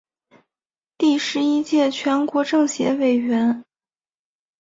第十一届全国政协委员。